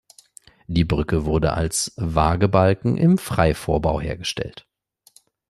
Die Brücke wurde als Waagebalken im Freivorbau hergestellt.